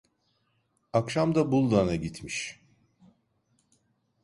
Akşam da Buldan'a gitmiş.